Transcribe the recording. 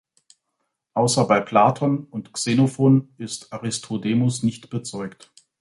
Außer bei Platon und Xenophon ist Aristodemos nicht bezeugt.